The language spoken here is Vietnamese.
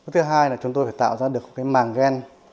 thứ hai là chúng tôi phải tạo ra được cái màng gen